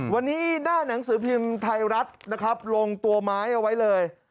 วันนี้หน้าหนังสือพิมพ์ไทยรัฐนะครับลงตัวไม้เอาไว้เลย